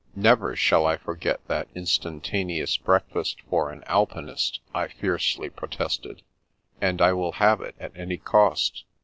" Never shall I forget that Instantaneous Break fast for an Alpiniste," I fiercely protested, " and I will have it at any cost.